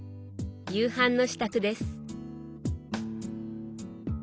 夕飯の支度です。